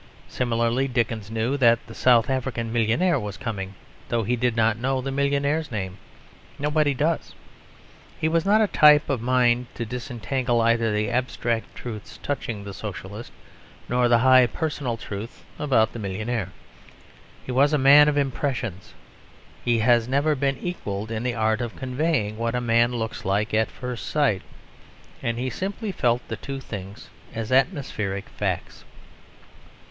Similarly, Dickens knew that the South African millionaire was coming, though he did not know the millionaire's name. Nobody does. His was not a type of mind to disentangle either the abstract truths touching the Socialist, nor the highly personal truth about the millionaire. He was a man of impressions; he has never been equalled in the art of conveying what a man looks like at first sight and he simply felt the two things as atmospheric facts.